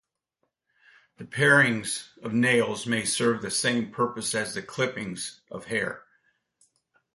The parings of nails may serve the same purpose as the clippings of hair.